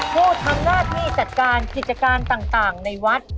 ผู้ทำหน้าที่จัดการกิจการต่างในวัด